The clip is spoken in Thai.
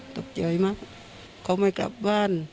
ตกใจมากเขาไม่กลับบ้าน